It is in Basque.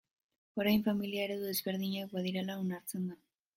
Orain familia eredu desberdinak badirela onartzen da.